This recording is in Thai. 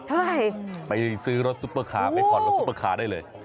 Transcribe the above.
เท่าไหร่ไปซื้อรถซุปเปอร์คาร์ไปผ่อนรถซุปเปอร์คาร์ได้เลย